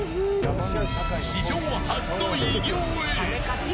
史上初の偉業へ。